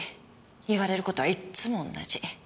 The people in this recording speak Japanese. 言われる事はいっつも同じ。